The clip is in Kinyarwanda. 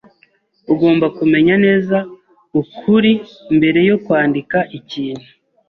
Ugomba kumenya neza ukuri mbere yo kwandika ikintu.